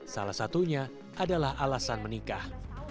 salah satunya adalah alasan menikah